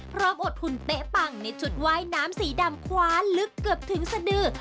อดหุ่นเป๊ะปังในชุดว่ายน้ำสีดำคว้าลึกเกือบถึงสดือ